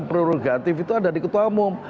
prerogatif itu ada di ketua umum